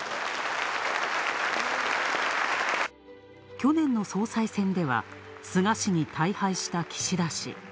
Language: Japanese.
去年の総裁選では、菅氏に大敗した岸田氏。